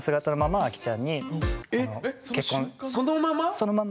そのまま？